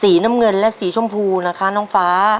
น้ำเงินและสีชมพูนะคะน้องฟ้า